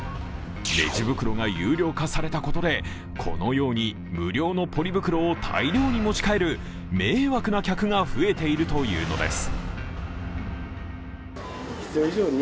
レジ袋が有料化されたことでこのように無料のポリ袋を大量に持ち帰る迷惑な客が増えているというのです。